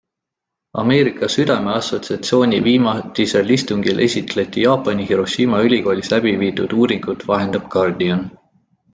Ameerika südameassotsiatsiooni viimatisel istungil esitleti Jaapani Hiroshima ülikoolis läbi viidud uuringut, vahendab Guardian.